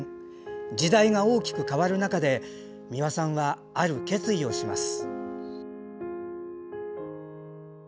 時代が大きく変わる中で美輪さんは、ある決意をします。